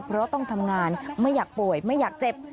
เพราะต้องทำงานไม่อยากป่วยไม่อยากเจ็บ